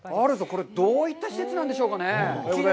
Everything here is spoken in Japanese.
これ、どういった施設なんでしょうかね。